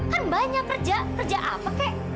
kan banyak kerja kerja apa kek